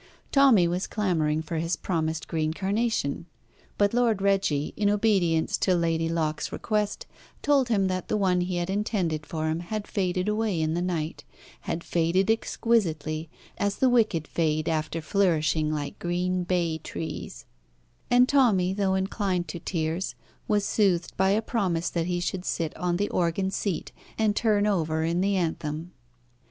Tommy was clamouring for his promised green carnation; but Lord Reggie, in obedience to Lady Locke's request, told him that the one he had intended for him had faded away in the night, had faded exquisitely, as the wicked fade after flourishing like green bay trees; and Tommy, though inclined to tears, was soothed by a promise that he should sit on the organ seat and turn over in the anthem.